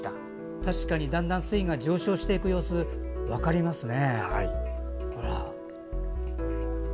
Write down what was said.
確かにだんだん水位が上昇していく様子が分かりますね。